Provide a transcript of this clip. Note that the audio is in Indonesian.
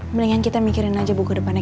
mendingan kita mikirin aja bu kedepannya